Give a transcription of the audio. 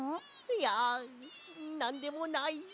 いやなんでもない。